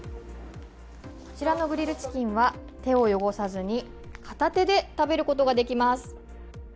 こちらのグリルチキンは手を汚さずに片手で食べることができます。